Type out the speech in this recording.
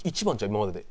今までで。